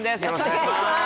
お願いします